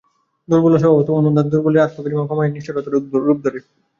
দৌর্বল্য স্বভাবত অনুদার, দুর্বলের আত্মগরিমা ক্ষমাহীন নিষ্ঠুরতার রূপ ধরে।